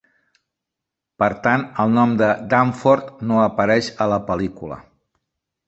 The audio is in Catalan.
Per tant, el nom de Danforth no apareix a la pel·lícula.